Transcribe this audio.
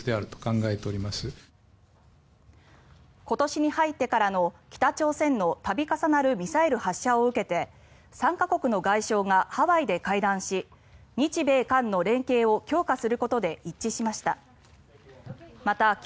今年に入ってからの北朝鮮の度重なるミサイル発射を受けて３か国の外相がハワイで会談し日米韓の連携を強化することで一致しました。